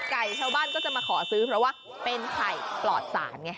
ไก่ชาวบ้านก็จะมาขอซื้อเพราะว่าเป็นไข่ปลอดสารไง